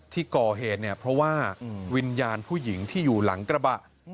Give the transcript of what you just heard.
ที่ก่อเหตุเนี่ยเพราะว่าวิญญาณผู้หญิงที่อยู่หลังกระบะ